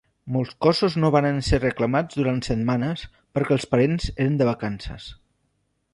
Molts cossos no varen ser reclamats durant setmanes perquè els parents eren de vacances.